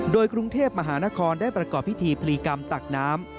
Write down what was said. โดยกรุงเทพมหานครได้ประกอบพิธีพลีกรรมตักน้ำ